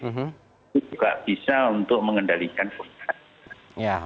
itu juga bisa untuk mengendalikan covid sembilan belas